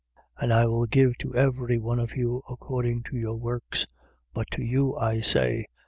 And I will give to every one of you according to your works. But to you I say 2:24.